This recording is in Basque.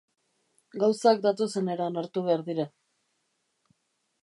Gauzak datozen eran hartu behar dira.